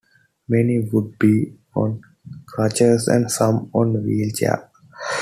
Many would be on crutches and some on wheel chair.